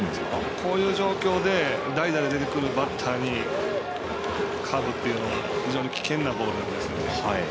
こういう状況で代打で出てくるバッターにカーブというのは非常に危険なボールですね。